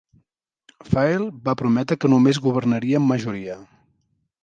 Field va prometre que només governaria en majoria.